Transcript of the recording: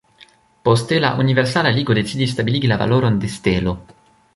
Poste la Universala Ligo decidis stabiligi la valoron de stelo.